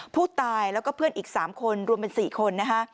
ผู้ตายแล้วก็เพื่อนอีก๓คนรวมเป็น๔คนนะคะ